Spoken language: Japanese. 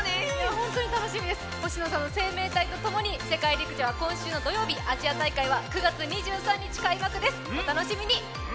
ホントに楽しみです、星野さんの「生命体」とともに「世界陸上」は今週の土曜日、アジア大会は９月２３日開幕です、お楽しみに。